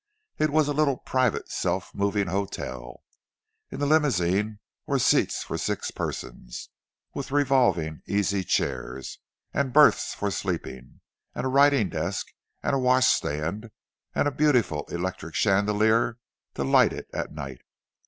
It was a little private self moving hotel; in the limousine were seats for six persons, with revolving easy chairs, and berths for sleeping, and a writing desk and a wash stand, and a beautiful electric chandelier to light it at night.